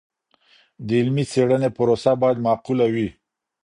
د علمي څیړني پروسه باید معقوله وي.